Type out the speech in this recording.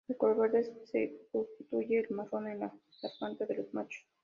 El color verde sustituye al marrón en la garganta de los machos.